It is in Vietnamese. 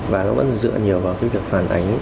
và nó vẫn dựa nhiều vào việc phản ánh